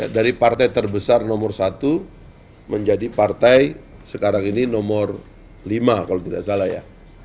dari partai terbesar nomor satu menjadi partai sekarang ini nomor lima kalau tidak salah ya